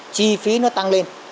chi phí nó tăng lên